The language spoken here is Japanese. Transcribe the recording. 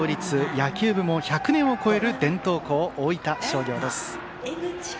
野球部も１００年を超える伝統校大分商業です。